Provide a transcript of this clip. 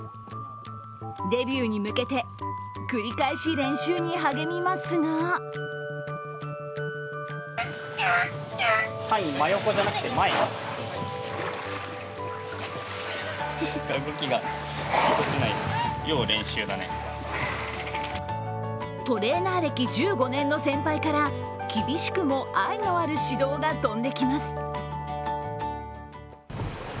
デビューに向けて繰り返し練習に励みますがトレーナー歴１５年の先輩から厳しくも愛のある指導が飛んできます。